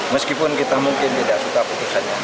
meskipun kita mungkin tidak suka putusannya